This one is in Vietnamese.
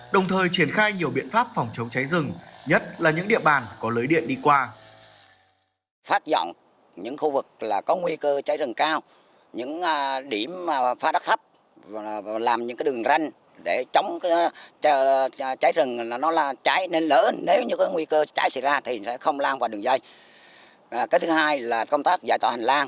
đồng thời triển khai nhiều biện pháp phòng chống cháy rừng nhất là những địa bàn có lưới điện đi qua